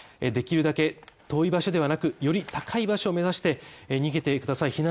できるだけ遠い場所ではなく、より高い場所を目指して逃げてください